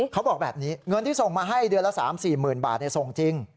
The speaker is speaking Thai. เขาบอกแบบนี้เงินที่ส่งมาให้เดือนละ๓๔๐๐๐บาทส่งจริง